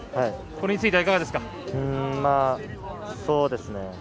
そうですね。